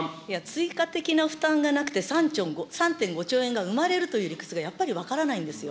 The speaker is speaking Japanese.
追加的な負担がなくて、３．５兆円が生まれるという理屈がやっぱり分からないんですよ。